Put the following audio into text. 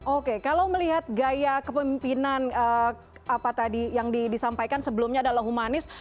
oke kalau melihat gaya kepemimpinan apa tadi yang disampaikan sebelumnya adalah humanis